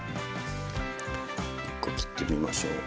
１個切ってみましょう。